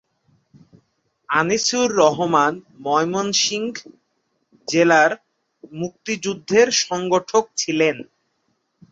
আনিসুর রহমান ময়মনসিংহ জেলার মুক্তিযুদ্ধের সংগঠক ছিলেন।